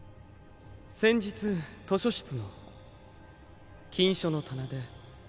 先日図書室の禁書の棚で